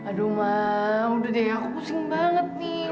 aduh mah udah deh aku pusing banget nih